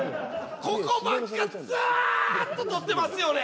ここばっかずっと撮ってますよね？